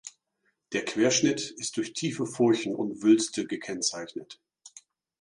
Der Querschnitt ist durch tiefe Furchen und Wülste gekennzeichnet.